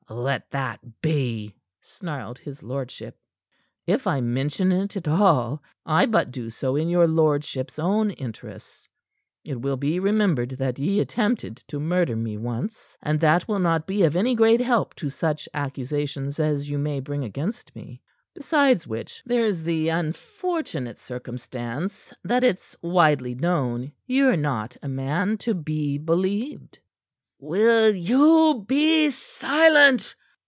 "Let that be," snarled his lordship. "If I mention it at all, I but do so in your lordship's own interests. It will be remembered that ye attempted to murder me once, and that will not be of any great help to such accusations as you may bring against me. Besides which, there is the unfortunate circumstance that it's widely known ye're not a man to be believed." "Will you be silent?"